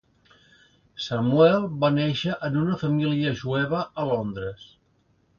Samuel va néixer en una família jueva a Londres.